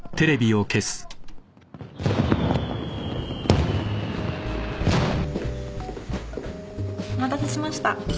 お待たせしました。